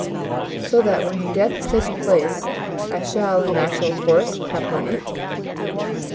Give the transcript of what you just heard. "So that when her death has taken place I shall in the natural course have money?"